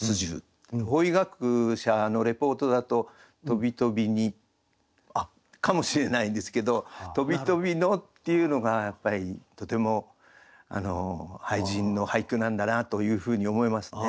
法医学者のレポートだと「とびとびに」かもしれないんですけど「とびとびの」っていうのがやっぱりとても俳人の俳句なんだなというふうに思いますね。